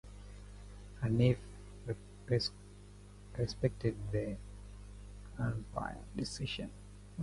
Hanif respected the umpire's decision.